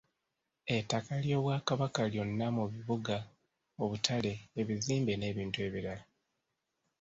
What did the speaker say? Ettaka ly'Obwakabaka lyonna mu bibuga, obutale , ebizimbe n'ebintu ebirala.